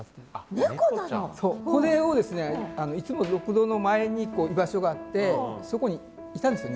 これをですねいつもろくろの前に居場所があってそこにいたんですよ